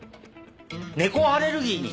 猫アレルギーに。